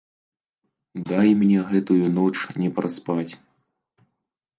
Дай мне гэтую ноч не праспаць.